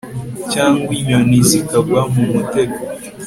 cyangwa inyoni zikagwa mu mutego